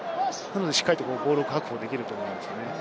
しっかりボールを確保できています。